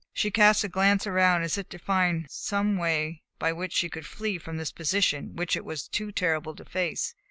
She cast a glance around as if to find some way by which she could flee from this position which it was too terrible to face.